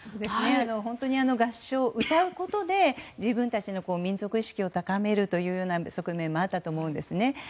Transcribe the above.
本当に歌うことで自分たちの民族意識を高める側面もあったと思うんですね。